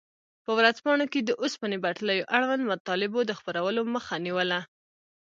په ورځپاڼو کې د اوسپنې پټلیو اړوند مطالبو د خپرولو مخه نیوله.